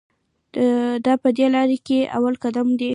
دا په دې لار کې اول قدم دی ګله.